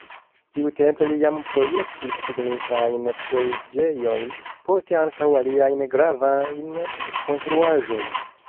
Tiutempe li jam projektis signifajn preĝejojn, poste ankaŭ aliajn gravajn konstruaĵojn.